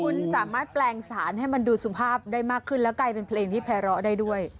คุณสามารถแปลงสารให้มันดูสุภาพได้มากขึ้นแล้วกลายเป็นเพลงที่แพร้อได้ด้วย